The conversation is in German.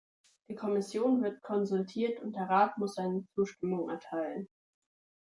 Die Kommission wird konsultiert, und der Rat muss seine Zustimmung erteilen.